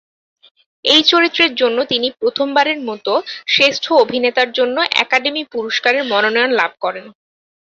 এই চরিত্রের জন্য তিনি প্রথমবারের মত শ্রেষ্ঠ অভিনেতার জন্য একাডেমি পুরস্কারের মনোনয়ন লাভ করেন।